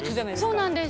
そうなんです。